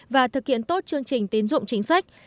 và thực hiện tốt chương trình tín dụng chính sách